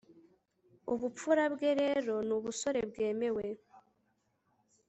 Ubupfura bwe rero nubusore bwemewe